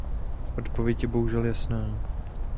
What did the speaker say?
Odpověď je bohužel jasná.